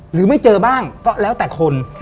หรือไม่เจอบ้างก็แล้วแต่คน